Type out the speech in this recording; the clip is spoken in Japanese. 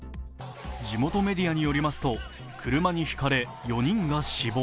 地元メディアによりますと、車にひかれ、４人が死亡。